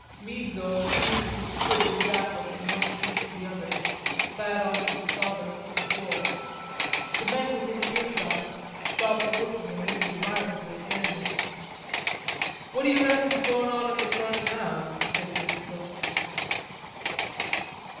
Meadville moved his quid of tobacco from one cheek to the other and spat on to the sawdust of the floor. The men within earshot stopped working and looked admiringly at Daniels. "Well; what d'ye reckon's goin' on at the front now?" said Meadville.